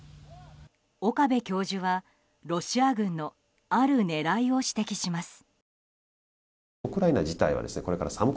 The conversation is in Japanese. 岡部教授は、ロシア軍のある狙いを指摘します。